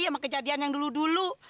sama kejadian yang dulu dulu